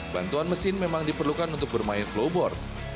bantuan mesin memang diperlukan untuk bermain flowboard